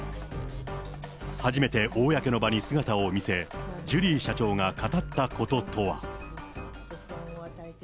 初めて公の場に姿を見せ、ジュリー社長が語ったこととは。